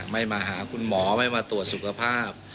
ไม่มาหาคุณหมอไม่มาตรวจสุขภาพ